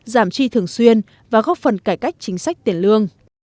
giảm chi thường xuyên và góp phần cải cách chính sách tiền lương